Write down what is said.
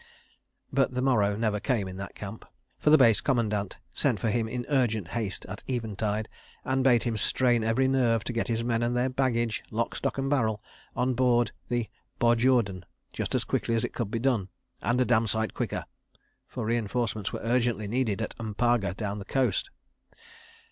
But the morrow never came in that camp, for the Base Commandant sent for him in urgent haste at eventide, and bade him strain every nerve to get his men and their baggage, lock, stock and barrel, on board the Barjordan, just as quickly as it could be done (and a dam' sight quicker), for reinforcements were urgently needed at M'paga, down the coast.